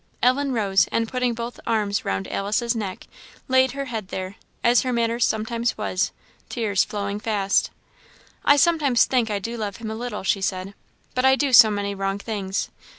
Ellen rose, and putting both arms round Alice's neck, laid her head there, as her manner sometimes was, tears flowing fast. "I sometimes think I do love him a little," she said; "but I do so many wrong things.